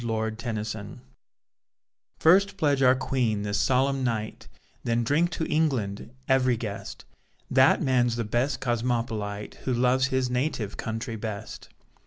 HANDS ALL ROUND First pledge our Queen this solemn night, Then drink to England, every guest; That man's the best Cosmopolite Who loves his native country best.